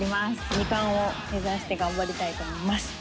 ２冠を目指して頑張りたいと思います